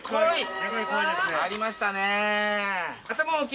入りましたね。